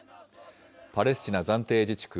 パレスチナ暫定自治区